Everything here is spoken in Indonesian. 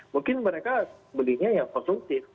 mungkin mereka belinya ya konsumtif